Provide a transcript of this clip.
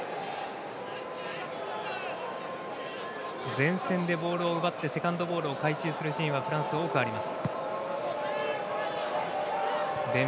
前線でボールを奪ってセカンドボールを回収するシーンがフランス、多くあります。